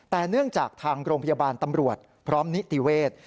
แต่เนื่องจากทางโรงพยาบาลตำรวจพร้อมนิติเวศ